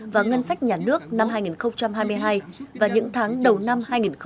và ngân sách nhà nước năm hai nghìn hai mươi hai và những tháng đầu năm hai nghìn hai mươi bốn